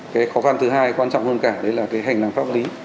cái khó khăn thứ hai quan trọng hơn cả là hành năng pháp lý